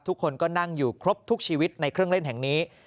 ทุกคนก็นั่งอยู่ครบทุกชีวิตในเครื่องเล่นแห่งนี้